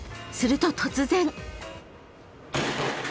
［すると突然］